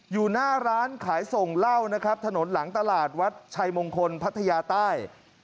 อยู่หน้าร้านขายส่งเหล้านะครับถนนหลังตลาดวัดชัยมงคลพัทยาใต้